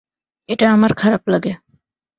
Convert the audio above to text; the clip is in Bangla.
এটা আমার খারাপ লাগে।